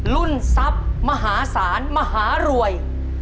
รุ่นทรัพย์มหาศาลมหารวย